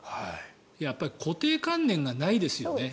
やっぱり固定観念がないですよね